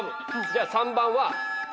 じゃあ３番は。